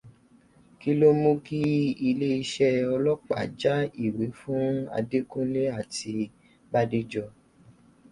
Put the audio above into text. Kí ló mú kí ilé iṣẹ́ Ọlọ́pàá já ìwé fún Adékúnlé àti Bádéjọ?